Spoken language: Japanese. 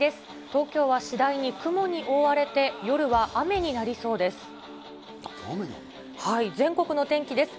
東京は次第に雲に覆われて、夜は雨になりそうです。